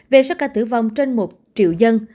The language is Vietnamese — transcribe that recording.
về số ca tử vong trên một triệu dân